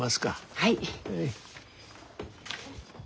はい。